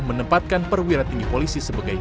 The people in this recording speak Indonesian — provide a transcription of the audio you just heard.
menempatkan perwira tinggi polisi sebagai